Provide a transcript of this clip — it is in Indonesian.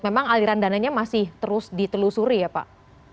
memang aliran dananya masih terus ditelusuri ya pak